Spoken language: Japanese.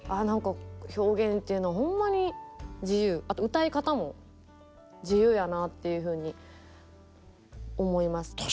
何か表現っていうのはほんまに自由あと歌い方も自由やなっていうふうに思います。